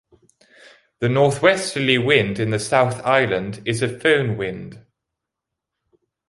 The northwesterly wind in the South Island is a foehn wind.